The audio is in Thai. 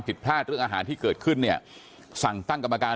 ผิดพลาดเรื่องอาหารที่เกิดขึ้นเนี่ยสั่งตั้งกรรมการ